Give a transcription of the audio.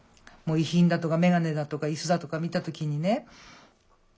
もう遺品だとか眼鏡だとか椅子だとか見た時にね。